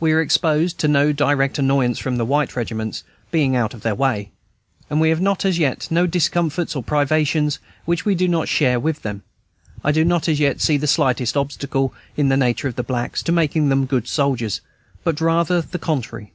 We are exposed to no direct annoyance from the white regiments, being out of their way; and we have as yet no discomforts or privations which we do not share with them. I do not as yet see the slightest obstacle, in the nature of the blacks, to making them good soldiers, but rather the contrary.